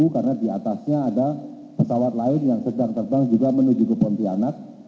karena di atasnya ada pesawat lain yang sedang terbang juga menuju ke pontianak